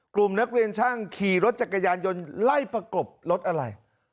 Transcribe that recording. กลุ่มนักเรียนช่างขี่รถจักรยานยนต์ไล่ประกบรถอะไร